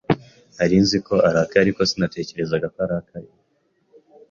Nari nzi ko arakaye, ariko sinatekerezaga ko arakaye.